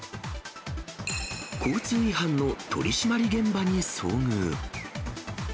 交通違反の取締り現場に遭遇。